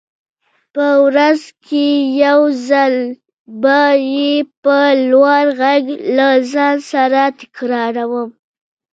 په ورځ کې يو ځل به يې په لوړ غږ له ځان سره تکراروم.